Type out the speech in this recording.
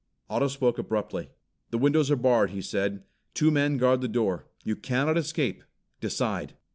Otto spoke abruptly. "The windows are barred," he said. "Two men guard the door. You cannot escape. Decide!"